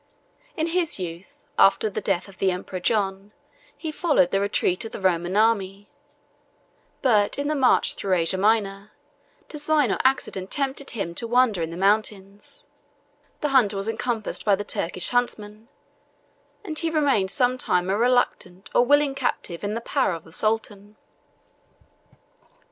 In his youth, after the death of the emperor John, he followed the retreat of the Roman army; but, in the march through Asia Minor, design or accident tempted him to wander in the mountains: the hunter was encompassed by the Turkish huntsmen, and he remained some time a reluctant or willing captive in the power of the sultan.